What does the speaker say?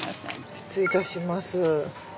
失礼いたします。